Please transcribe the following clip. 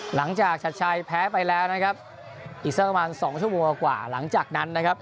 หลังจากชัดชัยแพ้ไปแล้วนะครับอีกสักประมาณสองชั่วโมงกว่าหลังจากนั้นนะครับ